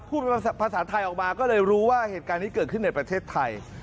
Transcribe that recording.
ภาษาไทยออกมาก็เลยรู้ว่าเหตุการณ์นี้เกิดขึ้นในประเทศไทย